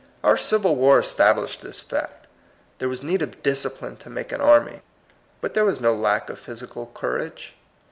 Our Civil War established this fact : There was need of discipline to make an army. But there was no lack of physi cal courage.